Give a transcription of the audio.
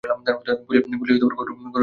বলিয়াই ঘর হইতে বাহির হইয়া গেল।